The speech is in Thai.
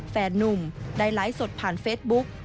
แฟนนุ่มได้ไลค์สดผ่านเฟสบุ๊ค